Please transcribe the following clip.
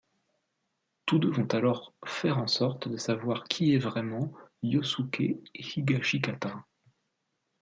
Tous deux vont alors faire en sorte de savoir qui est vraiment Josuke Higashikata.